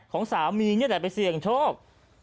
ของสามีนี่แหละไปเสี่ยงโชค